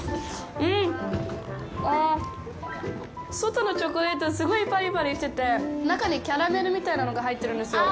外のチョコレートすごいパリパリしてて中にキャラメルみたいなのが入ってるんですよ。